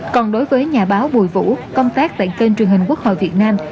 còn đối với nhà báo bùi vũ công tác tại kênh truyền hình quốc hội việt nam